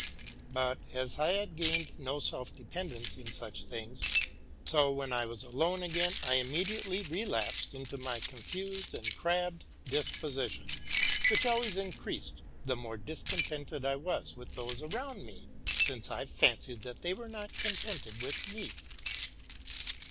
But as I had gained no self dependence in such things, so when I was alone again I im mediately relapsed into my confused and crabbed disposition, which always increased, the more discontented I was with those about me, since I fancied that they were not contented with me.